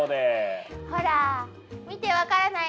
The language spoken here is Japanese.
ほら見てわからない？